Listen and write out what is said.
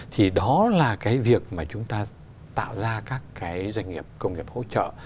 thì đó là cái việc mà chúng ta tạo ra các cái doanh nghiệp công nghiệp hỗ trợ